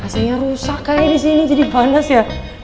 rasanya rusak kayak disini jadi panas ya